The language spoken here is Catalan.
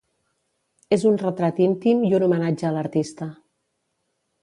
És un retrat íntim i un homenatge a l'artista.